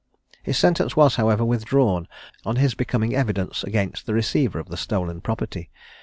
His sentence was, however, withdrawn on his becoming evidence against the receiver of the stolen property.